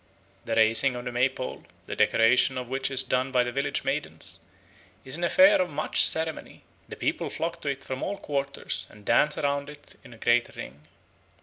The raising of the May pole, the decoration of which is done by the village maidens, is an affair of much ceremony; the people flock to it from all quarters, and dance round it in a great ring.